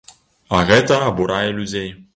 А гэта абурае людзей.